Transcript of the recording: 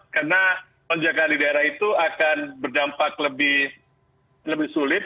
karena lonjakan di daerah itu akan berdampak lebih sulit